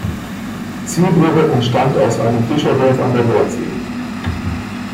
Zeebrugge entstand aus einem Fischerdorf an der Nordsee.